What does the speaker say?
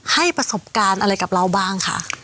ให้ประสบการณ์อะไรกับเราบ้างค่ะ